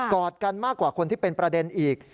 อดกันมากกว่าคนที่เป็นประเด็นอีก